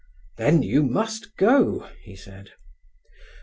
"Then you must go," he said.